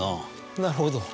なるほど。